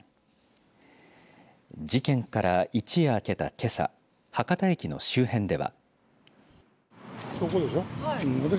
事件から一夜明けた、けさ博多駅の周辺では。